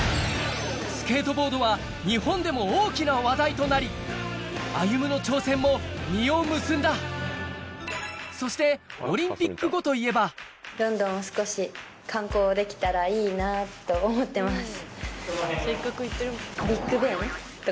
スケートボードは日本でも大きな話題となり歩夢の挑戦も実を結んだそしてオリンピック後といえばと思ってます。